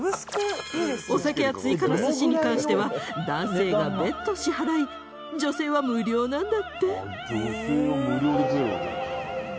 お酒や追加の寿司に関しては男性が別途支払い女性は無料なんだって。